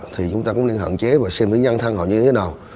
thì chúng ta cũng nên hạn chế và xem đến nhân thân họ như thế nào